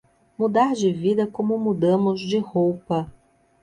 mudar de vida como mudamos de roupa